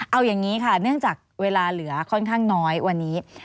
เอาอย่างนี้ค่ะเนื่องจากเวลาเหลือค่อนข้างน้อยวันนี้